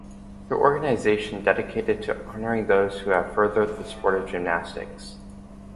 The organization dedicated to honoring those who have furthered the sport of gymnastics.